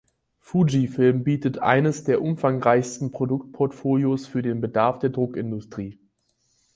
Fujifilm bietet eines der umfangreichsten Produktportfolios für den Bedarf der Druckindustrie.